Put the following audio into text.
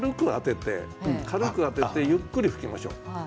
軽く当ててゆっくり吹きましょう。